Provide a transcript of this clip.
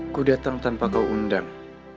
ku datang tanpa kau undang